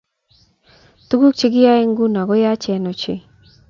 Tuguuk chegiyoe nguno ko yachen ochei